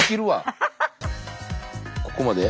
ここまで？